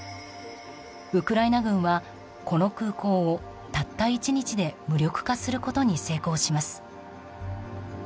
ウクライナ軍は、この空港をたった１日で無力化することに成功します。